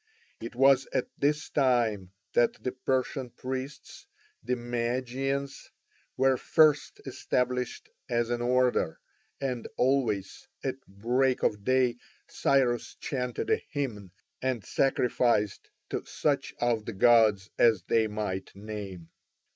It was at this time that the Persian priests, the Magians, were first established as an order, and always at break of day Cyrus chanted a hymn and sacrificed to such of the gods as they might name.